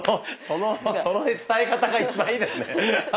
その伝え方が一番いいですね。